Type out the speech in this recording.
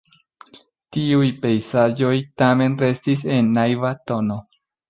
Tiuj pejzaĝoj tamen restis en naiva tono.